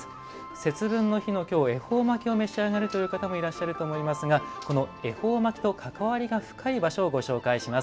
節分の日の今日、恵方巻きを召し上がるという方もいらっしゃると思いますがこの恵方巻きと関わりが深い場所をご紹介します。